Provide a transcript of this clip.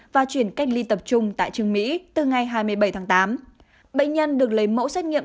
và chuyển cách ly tập trung tại trường mỹ từ ngày hai mươi bảy tháng tám bệnh nhân được lấy mẫu xét nghiệm